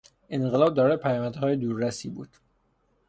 انقلاب دارای پیامدهای دور رسی بود.